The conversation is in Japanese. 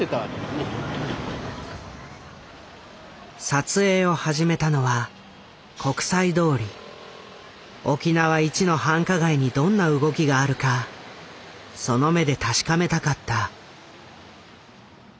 撮影を始めたのは沖縄一の繁華街にどんな動きがあるかその目で確かめたかった。